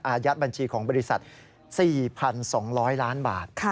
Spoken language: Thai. ยัดบัญชีของบริษัท๔๒๐๐ล้านบาท